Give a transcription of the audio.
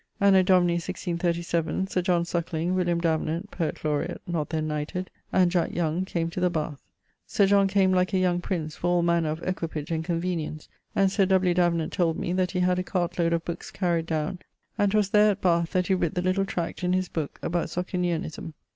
Anno Domini 1637 Sir John Suckling, William Davenant, poet laureat (not then knighted), and Jack Young came to the Bathe. Sir John came like a young prince for all manner of equipage and convenience, and Sir W. Davenant told me that he had a cart load of bookes carried downe, and 'twas there, at Bath, that he writt the little tract in his booke about Socinianism.